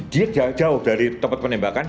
dia jauh dari tempat penembakan